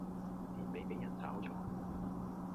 年尾俾人炒左